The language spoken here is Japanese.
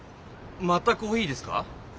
またコーヒーですか？